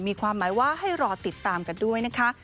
มีความหมายว่าให้รอติดตามกันด้วยนะคะ